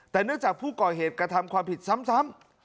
แต่เนื่องจากผู้ก่อเหตุกระทำความผิดซ้ำ